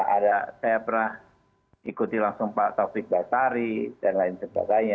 ada saya pernah ikuti langsung pak taufik basari dan lain sebagainya